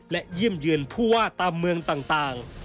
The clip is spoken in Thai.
และเยี่ยมเยือนผู้ว่าตามเมืองต่าง